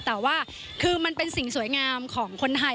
แต่ว่าคือมันเป็นสิ่งสวยงามของคนไทย